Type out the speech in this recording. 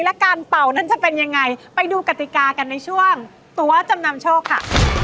และการเป่านั้นจะเป็นยังไงไปดูกติกากันในช่วงตัวจำนำโชคค่ะ